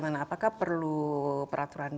masih sebagai produsen mereka cukup baik itu